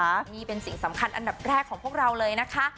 นี่เป็นสิ่งสำคัญอันดับแรกของพวกเราเลยนะคะ